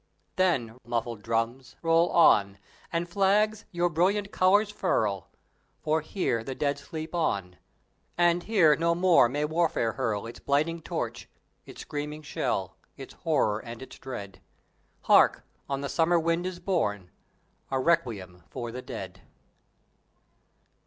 Then, muffled drums, roll on, and flags your brilliant colors furl; For here the Dead sleep on, and here no more may warfare hurl Its blighting torch, its screaming shell, its horror and its dread. Hark! on the summer wind is born a Requiem for the Dead!